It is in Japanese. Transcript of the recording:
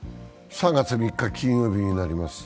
３月３日金曜日になります。